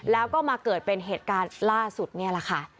แล้วก็มาเกิดเป็นเหตุการณ์ล่าสุดนี่แหละค่ะ